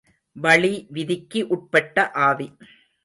வளி விதிக்கு உட்பட்ட ஆவி.